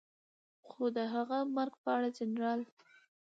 خو د هغه مرګ په اړه جنرال